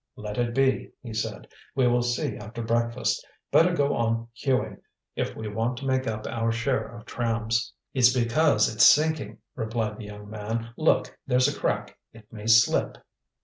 "Let it be," he said, "we will see after breakfast. Better go on hewing, if we want to make up our share of trams." "It's because it's sinking," replied the young man. "Look, there's a crack. It may slip."